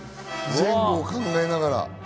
前後を考えながら。